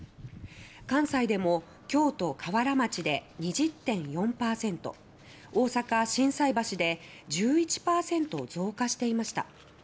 関西でも京都・河原町で２０．４％大阪・心斎橋で１１．０％増加していました。